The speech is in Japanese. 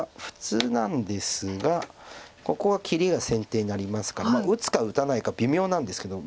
ここは切りが先手になりますから打つか打たないか微妙なんですけど。